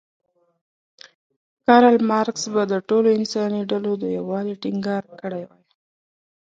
کارل مارکس به د ټولو انساني ډلو د یووالي ټینګار کړی وی.